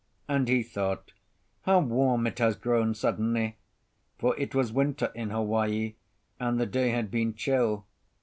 And he thought, "How warm it has grown suddenly!" For it was winter in Hawaii, and the day had been chill.